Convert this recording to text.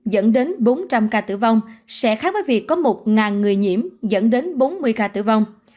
dẫn đến bốn trăm linh ca tử vong sẽ khác với việc có một người nhiễm dẫn đến bốn mươi ca tử vong